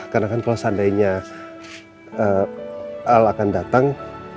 karena kan kalau seandainya al akan datang